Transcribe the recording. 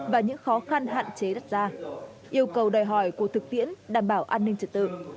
và những khó khăn hạn chế đặt ra yêu cầu đòi hỏi của thực tiễn đảm bảo an ninh trật tự